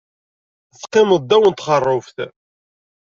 Teqqimeḍ ddaw n txeṛṛubt.